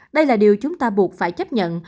đây là điều chúng ta buộc phải chấp nhận